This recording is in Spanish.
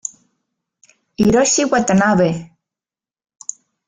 Hiroshi Watanabe